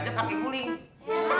jangan jangan jangan